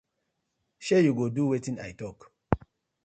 Shey yu go do wetin I tok.